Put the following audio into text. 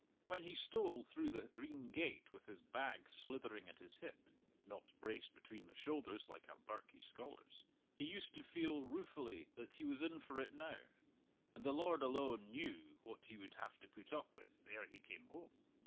When he stole through the green gate with his bag slithering at his hip (not braced between the shoulders like a birkie scholar's), he used to feel ruefully that he was in for it now and the Lord alone knew what he would have to put up with ere he came home!